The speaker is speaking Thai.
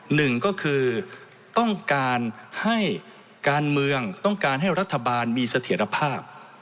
หนึ่งก็คือต้องการให้การเมืองต้องการให้รัฐบาลมีเสถียรภาพ